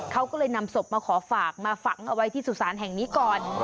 เขาก็เลยนำศพมาขอฝากมาฝังเอาไว้ที่สุสานแห่งนี้ก่อน